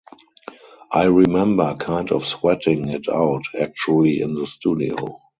I remember kind of sweating it out actually in the studio.